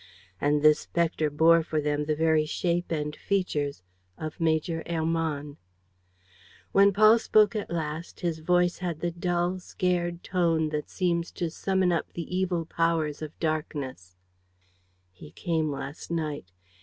And this specter bore for them the very shape and features of Major Hermann. When Paul spoke at last, his voice had the dull, scared tone that seems to summon up the evil powers of darkness: "He came last night.